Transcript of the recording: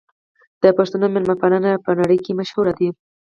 د پښتنو مېلمه پالنه په نړۍ کې مشهوره ده.